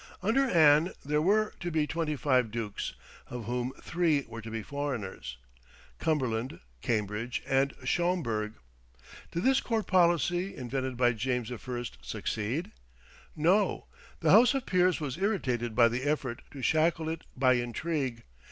Under Anne there were to be twenty five dukes, of whom three were to be foreigners, Cumberland, Cambridge, and Schomberg. Did this court policy, invented by James I., succeed? No. The House of Peers was irritated by the effort to shackle it by intrigue.